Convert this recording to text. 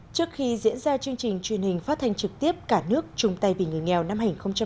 trước khi diễn ra chương trình truyền hình phát thanh trực tiếp cả nước chung tay vì người nghèo năm hai nghìn hai mươi